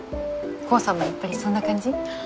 煌さんもやっぱりそんな感じ？